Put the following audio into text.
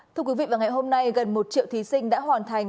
thưa quý vị vào ngày hôm nay gần một triệu thí sinh đã hoàn thành